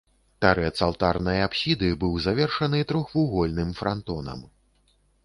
Тарэц алтарнай апсіды быў завершаны трохвугольным франтонам.